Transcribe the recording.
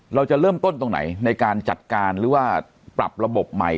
เราจะเริ่มต้นตรงไหนในการจัดการหรือว่าปรับระบบใหม่